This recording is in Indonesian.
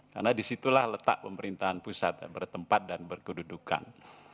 karena disitulah letak pemerintahan pusat ya bertempat dan berkedudukan